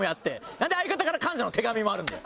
なんで相方から感謝の手紙もあるんだよ。